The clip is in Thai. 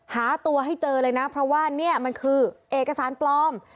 หาตัวให้เจอเลยนะเพราะว่าเนี่ยมันคือเอกสารปลอม